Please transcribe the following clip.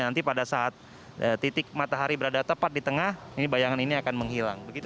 nanti pada saat titik matahari berada tepat di tengah ini bayangan ini akan menghilang